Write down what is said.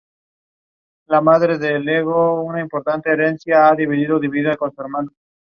Estas especies eran depredadoras, con cuerpos normalmente largos y escamosos.